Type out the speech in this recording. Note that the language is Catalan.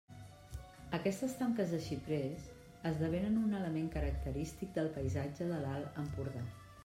Aquestes tanques de xiprers esdevenen un element característic del paisatge de l'Alt Empordà.